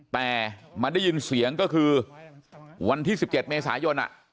แต่มันได้ยินเสียงก็คือวันที่สิบเจ็ดเมษายนอ่ะ